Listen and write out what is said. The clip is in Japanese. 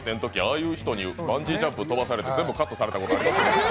ああいう人にバンジージャンプ跳ばされて全部カットされたことあります。